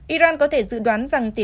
iran có thể dự đoán rằng